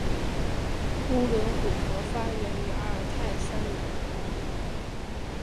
乌伦古河发源于阿尔泰山南坡。